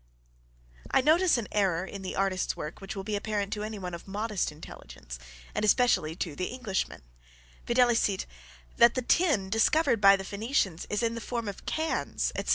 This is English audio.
I notice an error in the artist's work which will be apparent to any one of moderate intelligence, and especially to the Englishman, viz., that the tin discovered by the Phoenicians is in the form of cans, etc.